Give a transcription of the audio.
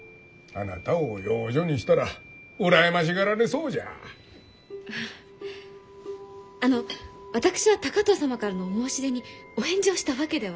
ああの私は高藤様からのお申し出にお返事をしたわけでは。